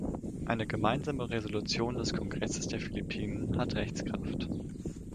Eine gemeinsame Resolution des Kongresses der Philippinen hat Rechtskraft.